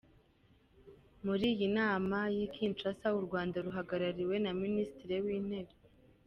Muri iyi nama y’i Kinshasa u Rwanda ruhagarariwe na Minisitiri w’Intebe Dr.